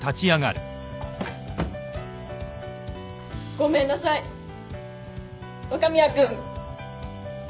ごめんなさい若宮君。